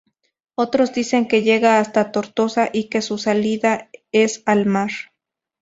Otros dicen que llega hasta Tortosa y que su salida es al mar.